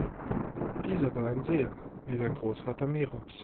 Dieser war ein Seher, wie sein Großvater Merops.